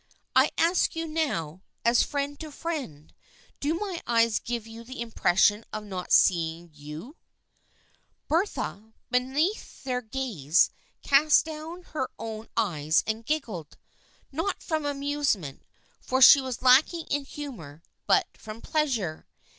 I ask you now, as friend to friend, do my eyes give you the im pression of not seeing you f " Bertha, beneath their gaze, cast down her own eyes and giggled. Not from amusement, for she was lacking in humor, but from pleasure.